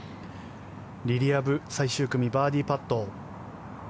リリア・ブ最終組、バーディーパット。